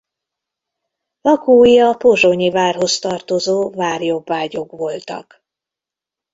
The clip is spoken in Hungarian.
Lakói a pozsonyi várhoz tartozó várjobbágyok voltak.